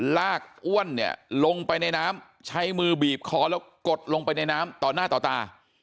ลากอ้วนเนี่ยลงไปในน้ำใช้มือบีบคอแล้วกดลงไปในน้ำต่อหน้าต่อตา